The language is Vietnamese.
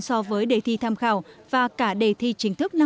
so với đề thi tham khảo và cả đề thi chính thức năm hai nghìn một mươi tám